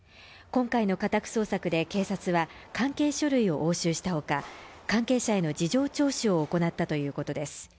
今回の家宅捜索で警察は関係書類を押収したほか関係者への事情聴取を行ったということです